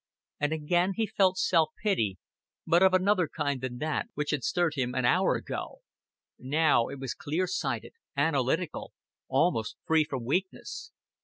And again he felt self pity, but of another kind than that which had stirred him an hour ago. Now it was clear sighted, analytical, almost free from weakness.